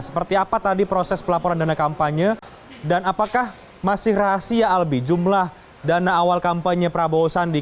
seperti apa tadi proses pelaporan dana kampanye dan apakah masih rahasia albi jumlah dana awal kampanye prabowo sandi